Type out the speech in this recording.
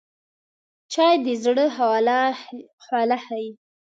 چای د زړه خواله ښيي